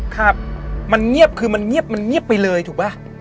ครับมันเงียบคือมันเงียบมันเงียบไปเลยถูกป่ะ